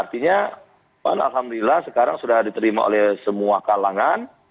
artinya pan alhamdulillah sekarang sudah diterima oleh semua kalangan